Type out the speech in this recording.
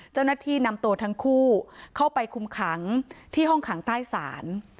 เจ้าหน้าที่นำตัวทั้งคู่เข้าไปคุมขังที่ห้องขังใต้ศาล